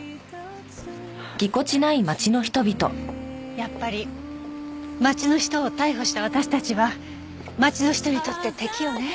やっぱり町の人を逮捕した私たちは町の人にとって敵よね。